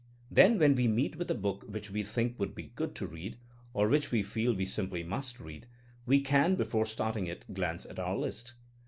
Then when we meet with a book which we think would be good to read, or which we feel we simply must read, we can before starting it glance at our list.